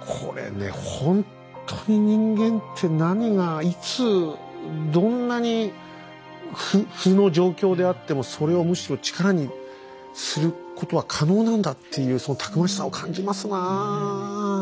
これねほんとに人間って何がいつどんなに負の状況であってもそれをむしろ力にすることは可能なんだっていうそのたくましさを感じますな。